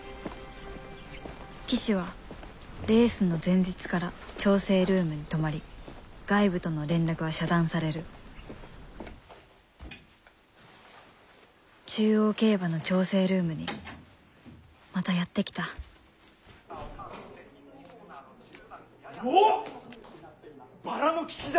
騎手はレースの前日から調整ルームに泊まり外部との連絡は遮断される中央競馬の調整ルームにまたやって来たおっバラの騎士だ。